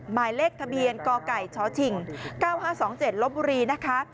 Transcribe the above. หมายเลขทะเบียนกไก่ชชิง๙๕๒๗ลบบุรีนะคะ